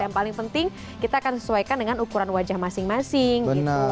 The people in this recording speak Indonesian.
yang paling penting kita akan sesuaikan dengan ukuran wajah masing masing gitu